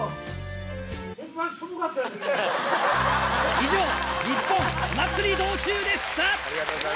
以上「ニッポンお祭り道中」でした！